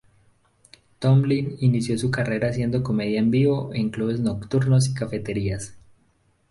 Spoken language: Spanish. Tomlin inició su carrera haciendo comedia en vivo en clubes nocturnos y cafeterías.